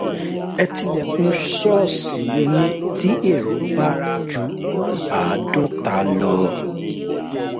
Ẹ tilẹ̀kùn ṣọ́ọ̀ṣì yín tí èrò bá ju àádọ́ta lọ.